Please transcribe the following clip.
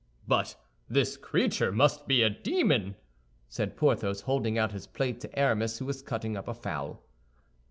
"But this creature must be a demon!" said Porthos, holding out his plate to Aramis, who was cutting up a fowl.